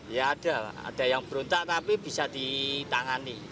ya ada ada yang berontak tapi bisa ditangani